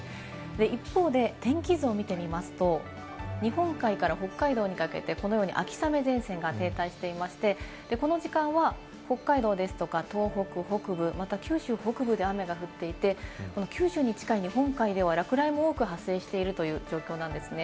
一方で、天気図を見てみますと、日本海から北海道にかけてこのように秋雨前線が停滞していまして、この時間は北海道ですとか東北北部、また九州北部で雨が降っていて、この九州に近い日本海では落雷も多く発生しているという状況なんですね。